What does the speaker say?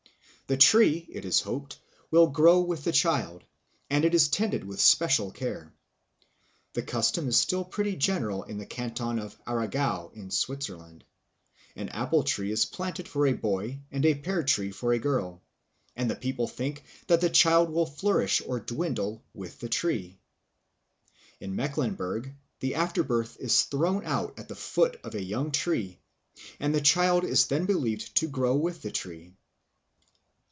The tree, it is hoped, will grow with the child, and it is tended with special care. The custom is still pretty general in the canton of Aargau in Switzerland; an apple tree is planted for a boy and a pear tree for a girl, and the people think that the child will flourish or dwindle with the tree. In Mecklenburg the afterbirth is thrown out at the foot of a young tree, and the child is then believed to grow with the tree.